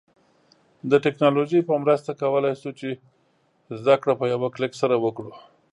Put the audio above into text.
د ټیکنالوژی په مرسته کولای شو چې زده کړه په یوه کلیک سره وکړو